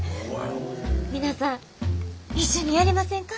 皆さん一緒にやりませんか？